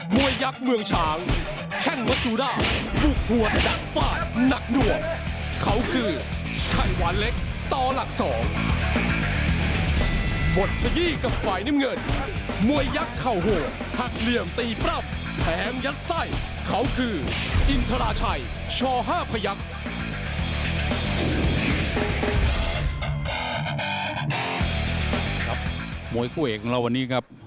มวยคู่เอกของเราวันนี้ครับ